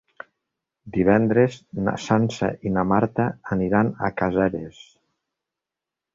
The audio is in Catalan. Divendres na Sança i na Marta aniran a Caseres.